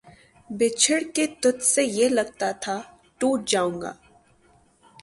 بچھڑ کے تجھ سے یہ لگتا تھا ٹوٹ جاؤں گا